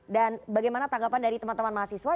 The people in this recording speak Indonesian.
dan bagaimana tanggapan dari teman teman mahasiswa